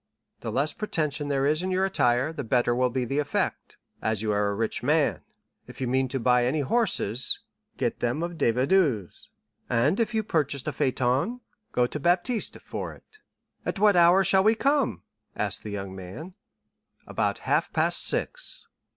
The less pretension there is in your attire, the better will be the effect, as you are a rich man. If you mean to buy any horses, get them of Devedeux, and if you purchase a phaeton, go to Baptiste for it." "At what hour shall we come?" asked the young man. "About half past six."